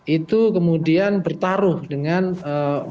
itu kemudian bertaruh dengan ee